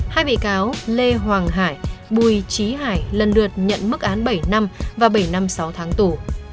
hai bị cáo lê hoàng hải bùi trí hải lần lượt nhận mức án bảy năm và bảy năm sáu tháng tù